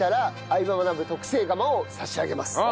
相葉マナブ』特製釜を差し上げます。